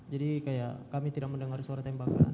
jadi kayak kami tidak mendengar suara tembakan